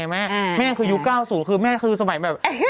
แม่คือยุค๙๐คือแม่คือสมัยแบบ